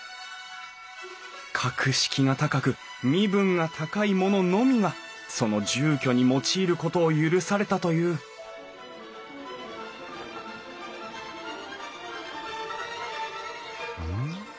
格式が高く身分が高い者のみがその住居に用いることを許されたといううん？